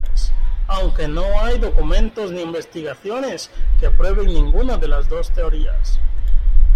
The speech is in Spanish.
Aunque no hay documentos ni investigaciones que prueben ninguna de las dos teorías.